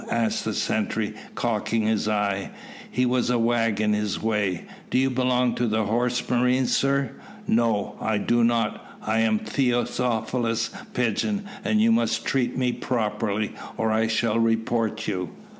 asked the sentry, cocking his eye he was a wag in his way; "do you belong to the horse marines, sir?" "No, I do not; I am Mr Theophilus Pigeon, and you must treat me properly, or I shall report you."